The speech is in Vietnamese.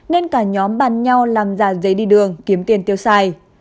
nên cả nhóm bàn nhau làm giả giấy đi đường kiếm tiền tiêu xài